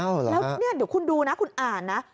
อ้าวเหรอฮะแล้วนี่เดี๋ยวคุณดูนะคุณอ่านนะ